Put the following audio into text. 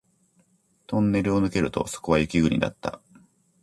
トンネルを抜けるとそこは雪国だった